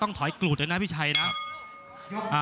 ต้องทอยกลุ่นอยู่นะพี่ชัยใช่ไหม